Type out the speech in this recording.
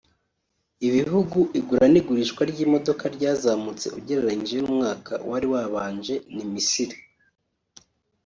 Ibihugu igura n’igurishwa ry’imodoka ryazamutse ugereranyije n’umwaka wari wabanje ni Misiri